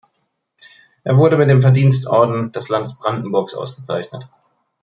Er wurde mit dem Verdienstorden des Landes Brandenburg ausgezeichnet.